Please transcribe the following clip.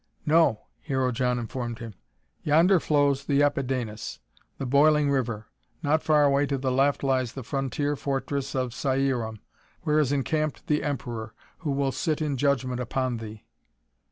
"No," Hero John informed him. "Yonder flows the Apidanus, the boiling river. Not far away to the left lies the frontier fortress of Cierum, where is encamped the Emperor, who will sit in judgment upon thee."